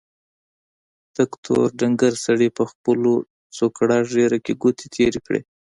تک تور ډنګر سړي په خپله څوکړه ږيره کې ګوتې تېرې کړې.